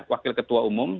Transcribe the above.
wakil ketua umum